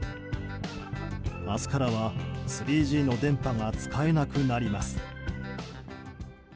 明日からは、３Ｇの電波が使えなくなります。